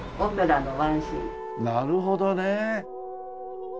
なるほどね！